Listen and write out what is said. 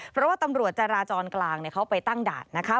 เพราะว่าตำรวจจราจรกลางเขาไปตั้งด่านนะคะ